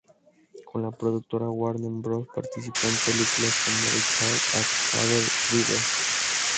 Con la productora Warner Bros participó en películas como "The Charge At Feather River".